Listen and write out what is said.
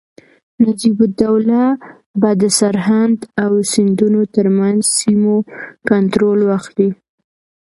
نجیب الدوله به د سرهند او سیندونو ترمنځ سیمو کنټرول واخلي.